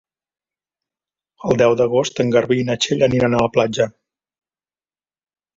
El deu d'agost en Garbí i na Txell aniran a la platja.